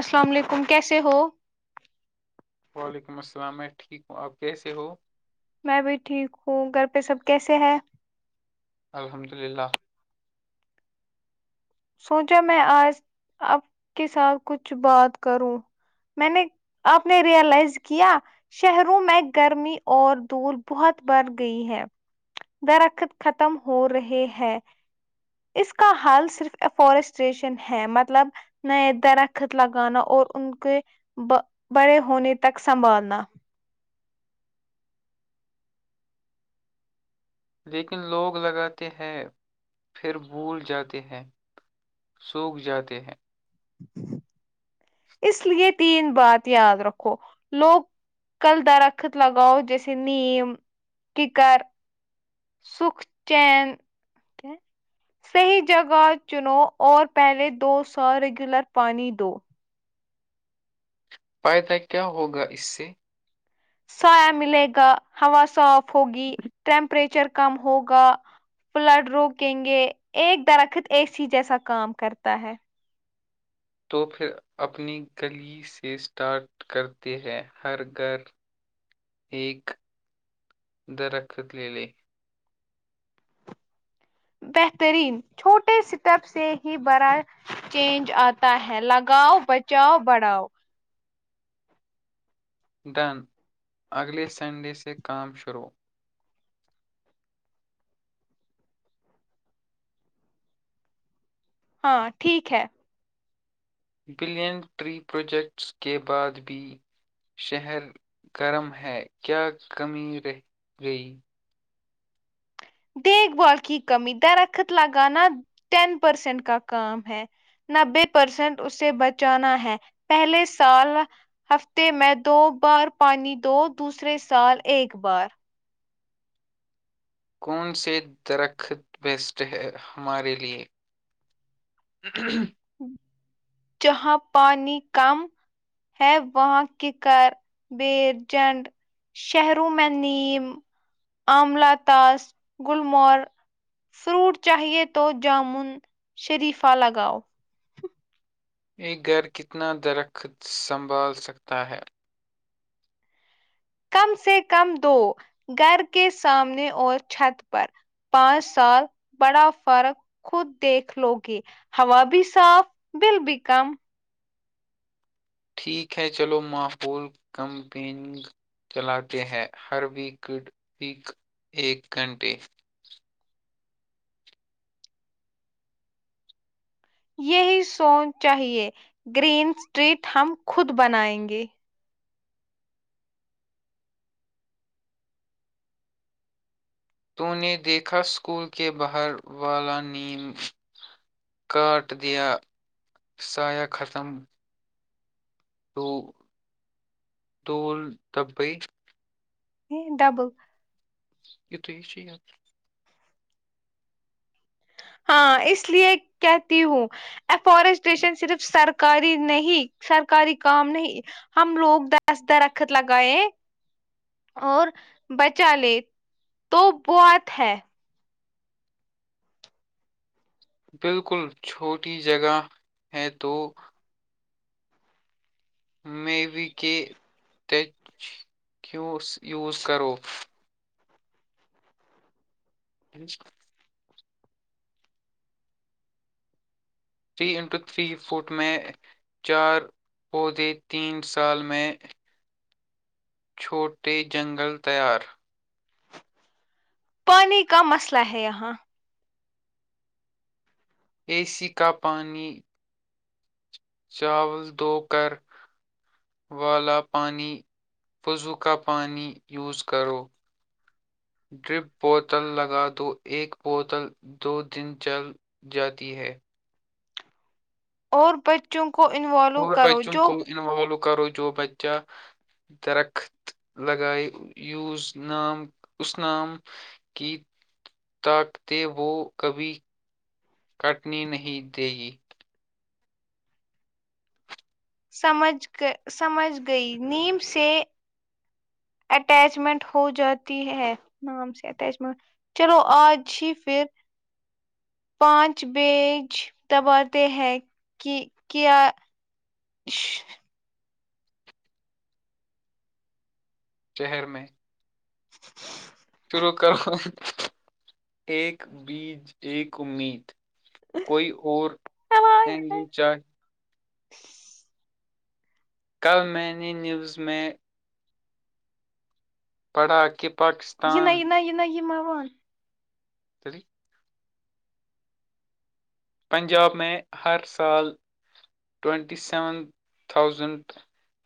السلام علیکم کیسے ہو وعلیکم السلام میں ٹھیک ہوں آپ کیسے ہو میں بھی ٹھیک ہوں گھر پہ سب کیسے ہیں الحمد للہ سوچا میں آج آپ کے ساتھ کچھ بات کروں میں نے آپ نے ریئلائز کیا شہروں میں گرمی اور دور بہت بڑھ گئی ہے درخت ختم ہو رہے ہے اس کا حال صرف فورسٹریشن ہے مطلب نئے درخت لگانا اور ان کے بڑے ہونے تک سنبھالنا لیکن لوگ لگاتے ہیں پھر بھول جاتے ہیں سوکھ جاتے ہیں [inaudible] اس لیے تین بات یاد رکھو لوگ کل درخت لگاؤ جیسے نیم ککر سکھ چین صحیح جگہ چنو اور پہلے دو سو ریگولر پانی دو پائدہ کیا ہوگا اس سے سا ملے گا ہوا صاف ہوگی ٹیمپریچر کم ہوگا فلڈ روکیں گے ایک درخت اے سی جیسا کام کرتا ہے تو پھر اپنی گلی سے اسٹارٹ کرتے ہیں ہر گھر ایک د ر رکھت لیل بہترین چھوٹے سٹب سے ہی بڑا چینج آتا ہے لگاؤ بچاؤ بڑھاؤ ڈن اگلے سنڈے سے کام شروع ہاں ٹھیک ہے بلین ٹری پروجیکٹس کے بعد بھی شہر گرم ہے کیا کمی رہ گئی دیکھ بھال کی کمی درخت لگانا ٹین پرسینٹ کا کام ہے نبے پرسینٹ اسے بچانا ہے پہلے سال ہفتے میں دو بار پانی دو دوسرے سال ایک بار کون سے درخت بیسٹ ہے ہمارے لیے [inaudible] جہاں پانی کم ہے وہاں کیک بیجنڈ شہروں میں نیم آملہ تاس گلمور فروٹ چاہیے تو جامن شریفہ لگاؤ یہ گھر کتنا درخت سنبھال سکتا ہے کم سے کم دو گھر کے سامنے اور چھت پر پانچ سال بڑا فرق خود دیکھ لو گے ہوا بھی صاف بل بھی کم ٹھیک ہے چلو مافول کمپین چلاتے ہیں ہر ویک گڈ ویک ایک گھنٹے یہی سوچ چاہیے گرین اسٹریٹ ہم خود بنائیں گے تو نے دیکھا اسکول کے باہر والا نیم کاٹ دیا سایہ ختم دو دوول دبئی ڈبل [inaudible] ہاں اس لیے کہتی ہوں افارسٹشن صرف سرکاری نہیں سرکاری کام نہیں ہم ہم لوگ دس د رخت لگا ہے اور بچا لے تو بہات ہے بالکل چھوٹی جگہ ہے تو مبیکے ٹچ کیوس یوز کرو [inaudible] تھری انٹو تھری پھٹ میں چار پودے تین سال میں چھوٹے جنگل تیار پانی کا مسئلہ ہے یہاں اے سی کا پانی چاول دھو کر والا پانی وضو کا پانی یوز کرو ڈرپ بوتل لگا دو ایک بوتل دو دن چل جاتی ہے اور بچوں کو انوالو اور کرو بچوں جو کو انوالو کرو جو بچہ درخت لگائے یوز نام اس نام کی تاکتے وہ کبھی کٹنی نہیں دے گی سمجھ سمجھ گئی نیم سے اٹیچمنٹ ہو جاتی ہے نام سے اٹیچمنٹ چلو آج ہی پھر پانچ بیج دباتے ہیں کہ کیا [inaudible] شہر میں [inaudible] شرو کرو ایک بیج ایک امید کوئی اور چاہے [inaudible] کل میں نے نیوز میں پڑھا کہ پک یہ نہ یہ نہ یہ نہ یہ ما ون چلیے پنجاب میں ہر سال ٹونٹی سیون تھاؤزینڈ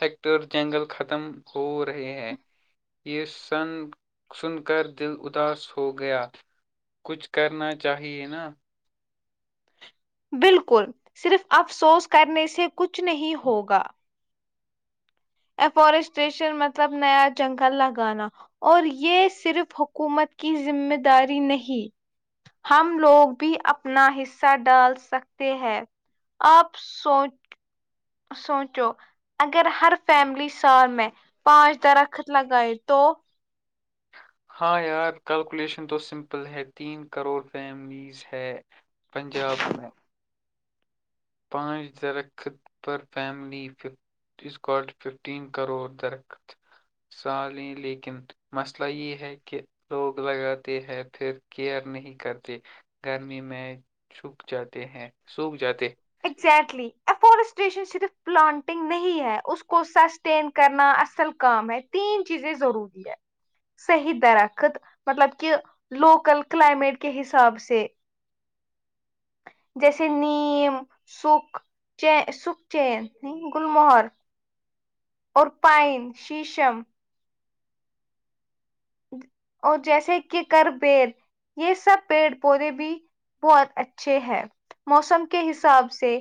ہیٹر جنگل ختم ہو رہے ہیں یہ سن سن کر دل اداس ہو گیا کچھ کرنا چاہیے نا بالکل صرف افسوس کرنے سے کچھ نہیں ہوگا افورسٹشن مطلب نیا جنگل لگانا اور یہ صرف حکومت کی ذمہ داری نہیں ہم لوگ بھی اپنا حصہ ڈال سکتے ہیں آپ سوچ سوچو اگر ہر فیملی سال میں پانچ درخت لگائے تو ہاں یار کیلکولیشن تو سمپل ہے تین کروڑ فیملیز ہے پنجاب میں پانچ درخط پر فیملی اس کوالٹی ففٹین کروڑ درخت سا لیں لیکن مسئلہ یہ ہے کہ لوگ لگاتے ہیں پھر کیئر نہیں کرتے گرمی میں چھک جاتے ہیں سوکھ جاتے اگزٹلی افسٹیشن صرف پلانٹنگ نہیں ہے اس کو سس سسٹین کرنا اصل کام ہے تین چیزیں ضروری ہے صحیح درخت مطلب کہ لوکل کلائمیٹ کے حساب سے جیسے نیم سکھ سکھ چین گلمہر اور پائن شیشم اور جیسے کہ ککر پیڑ یہ سب پیڑ پودے بھی بہت اچھے ہے موسم کے حساب سے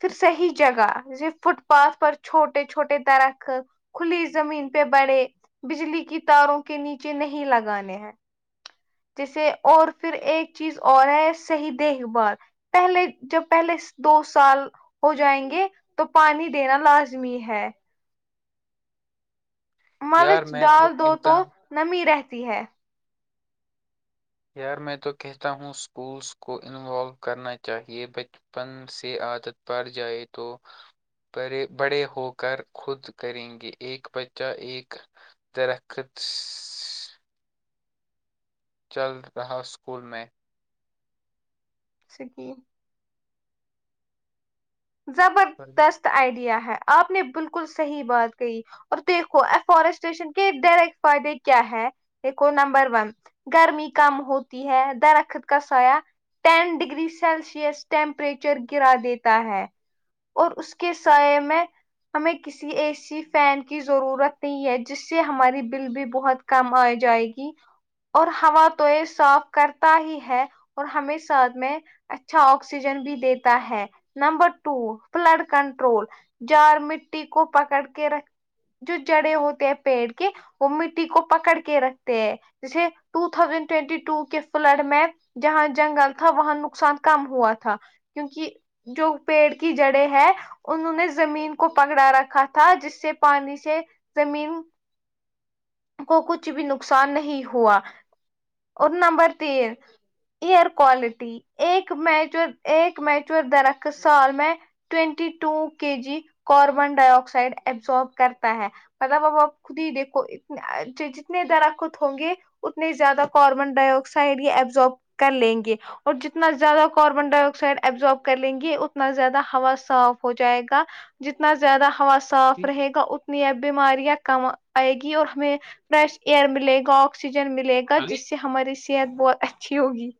پھر صحیح جگہ فٹ پاتھ پر چھوٹے چھوٹے درخت کھلی زمین پہ بڑے بجلی کی تاروں کے نیچے نہیں لگانے ہیں جیسے اور پھر ایک چیز اور ہے صحیح دیکھ بھال پہلے جب پہلے دو سال ہو جائیں گے تو پانی دینا لازمی ہے یار مرچ میں ڈال دو تو کہتا ہوں نمی رہتی ہے یار میں تو کہتا ہوں اسکولس کو انوالو کرنا چاہیے بچ پن سے عادت پڑ جائے تو بڑے بڑے ہو کر خود کریں گے ایک بچہ ایک درخت چل رہا اسکول میں سک [unintelligible] زبردست آئیڈیا ہے آپ نے بالکل صحیح بات کہی اور دیکھو افارسٹشن کے ڈائریکٹ فائدے کیا ہے دیکھو نمبر ون گرمی کم ہوتی ہے درخت کا سایہ ٹین ڈگری سیلسیس ٹیمپریچر گرا دیتا ہے اور اس کے سائے میں ہمیں ک کسی اے سی فین کی ضرورت نہیں ہے جس سے ہماری بل بھی بہت کم آ جائے گی اور ہوا تو یہ صاف کرتا ہی ہے اور ہمیش میں اچھا آکسیجن بھی دیتا ہے نمبر ٹو فلڈ کنٹرول جار مٹی کو پکڑ کے رکھ جو جڑے ہوتے ہیں پیڑ کے وہ مٹی کو پکڑ کے رکھتے ہیں جیسے ٹو تھاؤزینڈ ٹینٹی ٹو کے فلڈ میں جہاں جنگل تھا وہاں نقصان کم ہوا تھا کیونکہ جو لڑکی جڑے ہے انہوں نے زمین کو پکڑا رکھا تھا جس سے پانی سے زمین کو کچھ بھی نقصان نہیں ہوا اور نمبر تین ایئر کوالٹی ایک میچ ایک میچور درخت سال میں twenty two K G carbon dioxide absorb کرتا ہے بابا آپ خود ہی دیکھو جتنے در آ کو ہوں گے اتنی زیادہ کاربن ڈائی آکسائڈ یہ ابزب کر لیں گے اور جتنا زیادہ کاربن ڈائی آکسائڈ ایبزارب کر لیں گے یہ اتنا زیادہ ہوا صاف ہو جائے گا جتنا زیادہ ہوا صاف رہے گا انا بیماریاں کم آئے گی اور ہمیں فریش ایئر ملے گا آکسیجن ملے گا ابھی جس سے ہماری صحت بہت اچھی ہوگی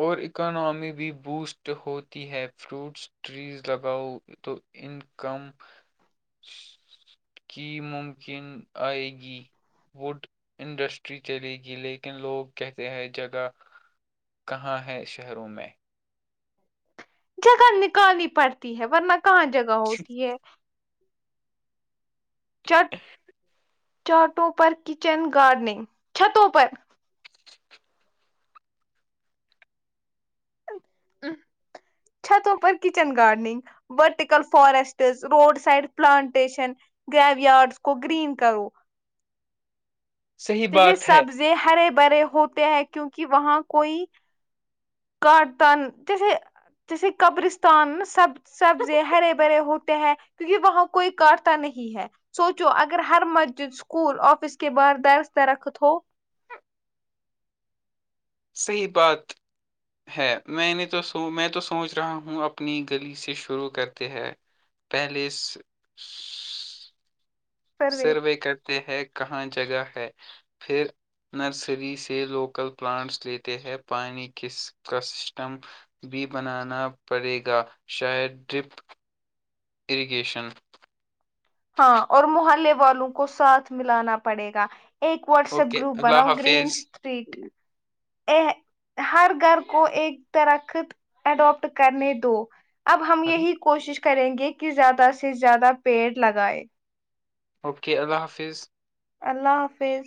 اور اکاناممی بھی بوسٹ ہوتی ہے فروٹس ٹریز لگاؤ تو ان کم [inaudible] کی ممکن آئے گی وڈ انڈسٹری چلے گی لیکن لوگ کہتے ہیں جگہ کہاں ہے شہروں میں جگہ نکالنی پڑتی ہے ورنہ کہاں جگہ ہوتی ہے چاٹوں پر کچن گارڈننگ چھتوں پر ہاں چھتوں kitchen gardening vertical forests road side plantation graveyards کو گرین کرو صحیح جیسے بات ہے سبزے ہرے بھرے ہوتے ہیں کیونکہ وہاں کوئی گتن جیسے جیسے قبرستان سب سبزے ہرے بھرے ہو ہیں کیونکہ وہاں کوئی کٹتا نہیں ہے سوچو اگر ہر مسجد اسکول آفس کے باہر درخ درخت ہو صحیح بات ہے میں نے تو سو میں تو سوچ رہا ہوں اپنی گلی سے شروع کرتے ہے پیلیس سروے کرتے ہیں کہاں جگہ ہے پھر نرسری سے لوکل پلانٹس لیتے ہیں پانی کس کا سسٹم بھی بنانا پڑے گا شاید ڈرپ اریگیشن ہاں اور محلے والوں کو ساتھ ملانا پڑے گا ایک واٹسپ اوکے گروپ اللہ بناؤ گرین حافظ اسٹریٹ میں ا ہر گھر کو ایک درخت اڈاپٹ کرنے دو اب ہم علی۔ یہی کوشش کریں گے کہ زیادہ سے زیادہ پیڑ لگائے اوکے اللہ حافظ اللہ حافظ